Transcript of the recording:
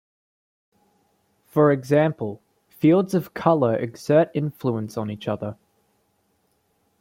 For example, fields of color exert influence on each other.